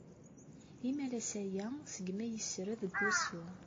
Imalas aya segmi ay yesred deg wusu.